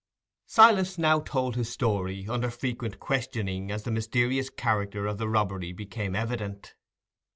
Silas now told his story, under frequent questioning as the mysterious character of the robbery became evident.